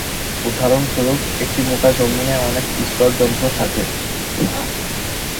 উদাহরণস্বরূপ, একটা মোটা জমিনে অনেক "স্তর" যন্ত্র থাকে।